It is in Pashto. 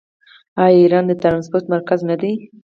آیا ایران د ټرانسپورټ مرکز نه دی؟